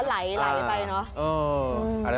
แล้วไหลไปเนอะ